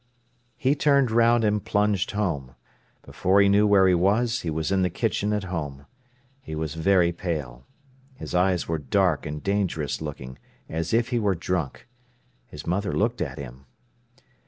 He turned round and plunged home. Before he knew where he was he was in the kitchen at home. He was very pale. His eyes were dark and dangerous looking, as if he were drunk. His mother looked at him.